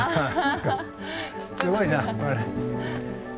すごいなこれ。